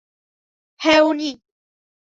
হ্যাঁ, উনি- ই।